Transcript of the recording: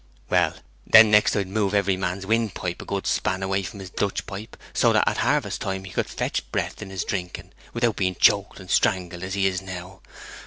'Well; then next I'd move every man's wyndpipe a good span away from his glutchpipe, so that at harvest time he could fetch breath in 's drinking, without being choked and strangled as he is now.